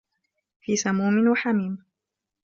في سَمومٍ وَحَميمٍ